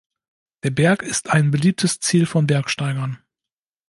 Der Berg ist ein beliebtes Ziel von Bergsteigern.